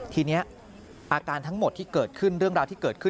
ทีนี้อาการทั้งหมดที่เกิดขึ้นเรื่องราวที่เกิดขึ้น